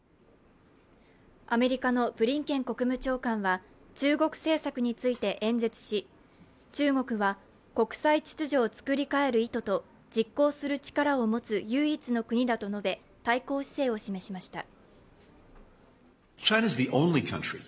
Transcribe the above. アメリカのブリンケン国務長官は中国政策について演説し中国は国際秩序を作りかえる意図と実行する力を持つ唯一の国だと述べ、対抗姿勢を示しました。